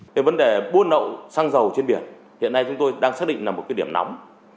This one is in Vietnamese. cái vấn đề buôn lậu xăng dầu trên biển hiện nay chúng tôi đang xác định là một cái điểm nóng